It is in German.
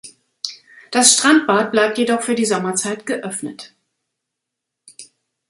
Das Strandbad bleibt jedoch für die Sommerzeit geöffnet.